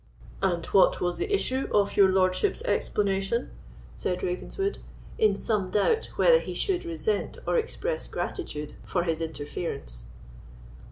"And what was the issue of your lordship's explanation?" said Ravenswood, in some doubt whether he should resent or express gratitude for his interference.